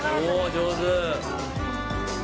上手。